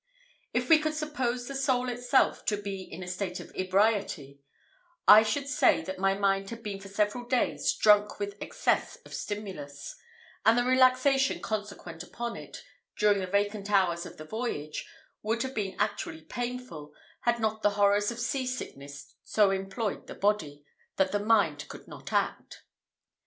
If we could suppose the soul itself to be in a state of ebriety, I should say that my mind had been for several days drunk with excess of stimulus; and the relaxation consequent upon it, during the vacant hours of the voyage, would have been actually painful, had not the horrors of sea sickness so employed the body, that the mind could not act.